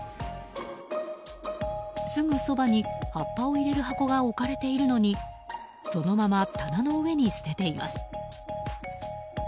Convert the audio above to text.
すぐそばに、葉っぱを入れる箱が置かれているのにそのまま棚の上に捨てています。